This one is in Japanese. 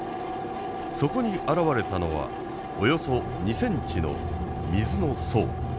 そこに現れたのはおよそ２ｃｍの水の層。